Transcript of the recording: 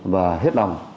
và hết đồng